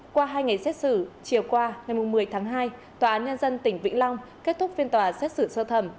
qua hai ngày xét xử chiều qua ngày một mươi tháng hai tòa án nhân dân tỉnh vĩnh long kết thúc phiên tòa xét xử sơ thẩm